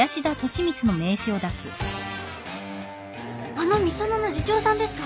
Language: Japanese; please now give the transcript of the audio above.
あのみそのの次長さんですか？